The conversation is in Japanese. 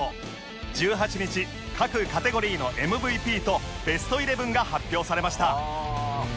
１８日各カテゴリーの ＭＶＰ とベストイレブンが発表されました